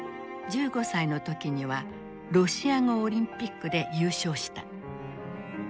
１５歳の時にはロシア語オリンピックで優勝した。